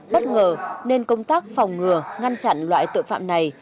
bất ngờ nên công tác phòng ngừa ngăn chặn loại tội phạm này